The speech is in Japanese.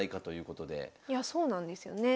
そうなんですよね。